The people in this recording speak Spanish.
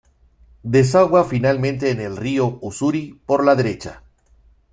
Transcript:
Desagua finalmente en el río Ussuri por la derecha.